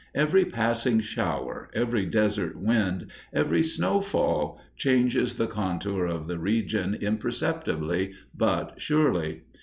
Every passing shower, every desert wind, every snowfall, changes the contour of the region imperceptibly but surely.